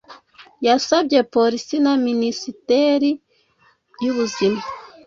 yasabye polisi na minisiteri y'ubuzima